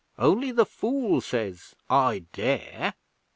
Only the fool says: "I dare."